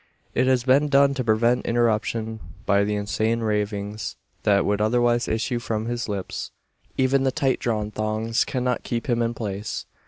It has been done to prevent interruption by the insane ravings, that would otherwise issue from his lips. Even the tight drawn thongs cannot keep him in place.